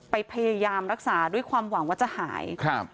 พยายามรักษาด้วยความหวังว่าจะหายครับ